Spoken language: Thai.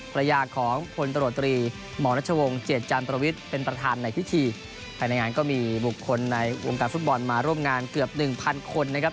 ภรรยาของพลตรวจตรีหมอรัชวงศ์เจียจันประวิทย์เป็นประธานในพิธีภายในงานก็มีบุคคลในวงการฟุตบอลมาร่วมงานเกือบหนึ่งพันคนนะครับ